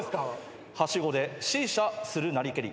はしごでシーシャするなりけり。